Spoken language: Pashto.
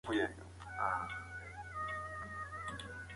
هیڅکله د ناکامۍ له وېرې مه وېرېږئ.